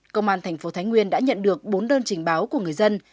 công an tp thánh nguyên đã nhận được bốn đơn trình báo của người dân